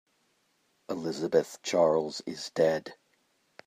Elizabeth Charles is dead.